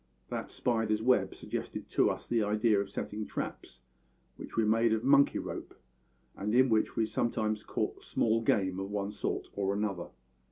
That spider's web suggested to us the idea of setting traps, which we made of monkey rope, and in which we sometimes caught small game of one sort or another.